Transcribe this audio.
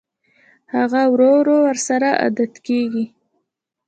هغه ورو ورو ورسره عادت کېږي